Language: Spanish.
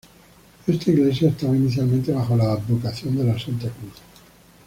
Esta iglesia estaba inicialmente bajo la advocación de la Santa Cruz.